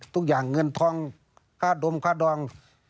ทุกอย่างเงินทองค่าดมค่าดอง